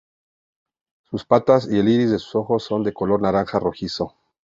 Sus patas y el iris de sus ojos son de color naranja rojizo.